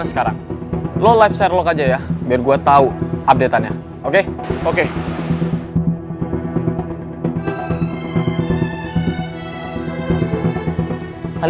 jangan lupa like share dan subscribe ya